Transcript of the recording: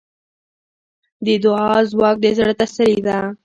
د دعا ځواک د زړۀ تسلي ده.